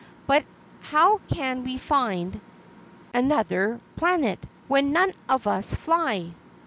"But how can we find Anuther Planet when none of us fly?"